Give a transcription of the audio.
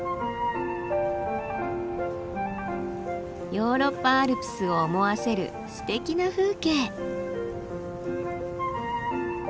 ヨーロッパアルプスを思わせるすてきな風景。